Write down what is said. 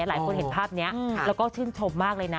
หลายคนเห็นภาพนี้แล้วก็ชื่นชมมากเลยนะ